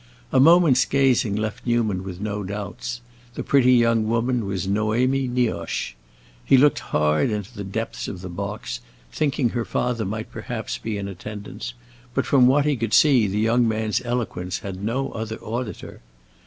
A moment's gazing left Newman with no doubts; the pretty young woman was Noémie Nioche. He looked hard into the depths of the box, thinking her father might perhaps be in attendance, but from what he could see the young man's eloquence had no other auditor.